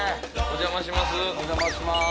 お邪魔します。